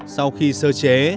sau khi sơ chế